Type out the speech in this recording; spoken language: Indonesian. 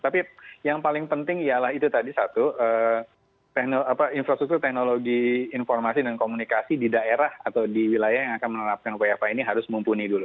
tapi yang paling penting ialah itu tadi satu infrastruktur teknologi informasi dan komunikasi di daerah atau di wilayah yang akan menerapkan wfh ini harus mumpuni dulu